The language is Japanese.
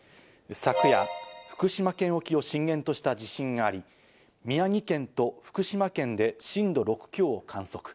昨夜、福島県沖を震源とした地震があり、宮城県と福島県で震度６強を観測。